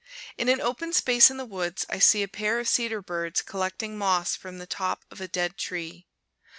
In an open space in the woods I see a pair of cedar birds collecting moss from the top of a dead tree.